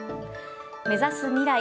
目指す未来。